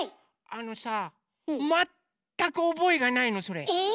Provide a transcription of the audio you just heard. あのさあ全く覚えがないのそれ。